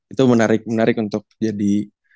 itu menarik untuk jadi